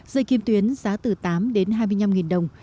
dây kim tuyến giá từ tám đến hai mươi năm đồng